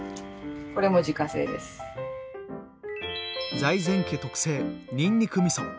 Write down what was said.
財前家特製にんにくみそ。